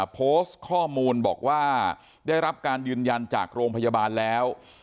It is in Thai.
โพสต์ข้อมูลบอกว่าได้รับการยืนยันจากโรงพยาบาลแล้ว